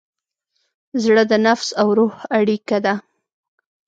زړه د نفس او روح اړیکه ده.